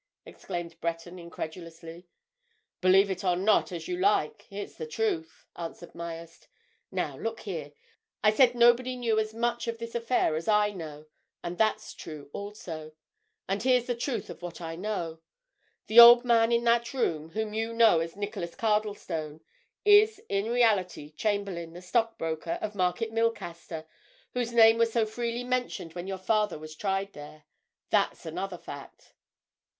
exclaimed Breton incredulously. "Believe it or not, as you like—it's the truth," answered Myerst. "Now, look here—I said nobody knew as much of this affair as I know, and that's true also. And here's the truth of what I know. The old man in that room, whom you know as Nicholas Cardlestone, is in reality Chamberlayne, the stockbroker, of Market Milcaster, whose name was so freely mentioned when your father was tried there. That's another fact!"